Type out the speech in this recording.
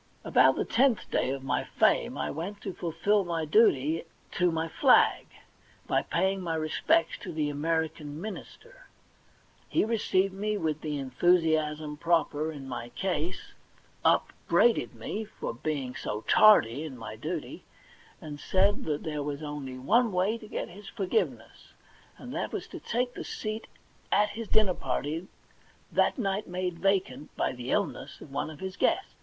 About the tenth day of my fame I went to fulfil my duty to my flag by paying my respects to the American minister. He received me with the en thusiasm proper in my case, upbraided me for being so tardy in my duty, and said that there was only one way to get his forgiveness, and that was to take the seat at his dinner party that night made vacant by the illness of one of his guests.